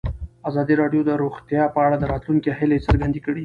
ازادي راډیو د روغتیا په اړه د راتلونکي هیلې څرګندې کړې.